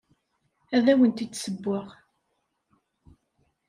Ad awent-d-ssewweɣ.